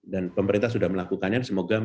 dan pemerintah sudah melakukannya